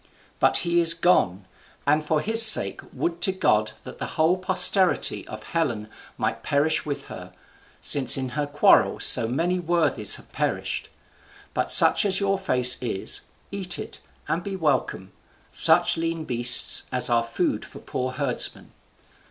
But he is gone; and for his sake would to God that the whole posterity of Helen might perish with her, since in her quarrel so many worthies have perished! But such as your fare is, eat it, and be welcome such lean beasts as are food for poor herdsmen.